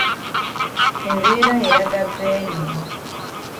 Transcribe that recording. Ebeera eraga Beene.